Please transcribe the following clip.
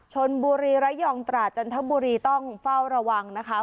ชนบุรีระยองตราจันทบุรีต้องเฝ้าระวังนะคะ